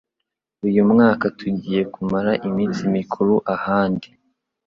Uyu mwaka tugiye kumara iminsi mikuru ahandi.